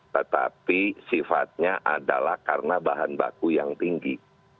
tetapi sifatnya adalah karena bahan baku yang tinggi